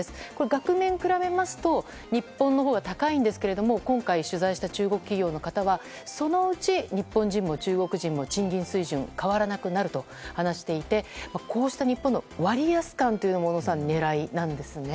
額面比べますと日本のほうが高いんですけれども今回、取材した中国企業の方々はそのうち、日本人も中国人も賃金水準が変わらなくなると話していてこうした日本の割安感というのも小野さん狙いなんですね。